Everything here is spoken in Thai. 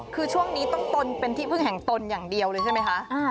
คือช่วงนี้ต้องตนเป็นที่พึ่งแห่งตนอย่างเดียวเลยใช่ไหมคะ